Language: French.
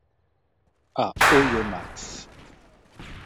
À Oyonnax.